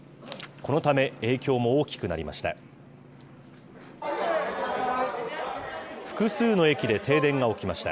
このため、影響も大きくなりました。